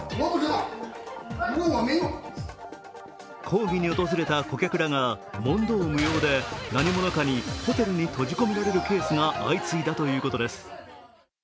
抗議に訪れた顧客らが問答無用で何者かにホテルに閉じ込められるケースが相次いだということです。